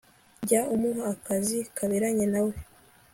jya umuha akazi kaberanye na we